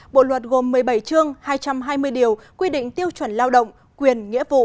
bộ luật gồm một mươi bảy chương hai trăm hai mươi điều quy định tiêu chuẩn lao động quyền nghĩa vụ